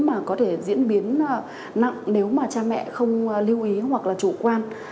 mà có thể diễn biến nặng nếu mà cha mẹ không lưu ý hoặc là chủ quan